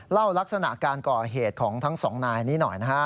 ลักษณะการก่อเหตุของทั้งสองนายนี้หน่อยนะฮะ